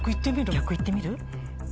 逆行ってみる？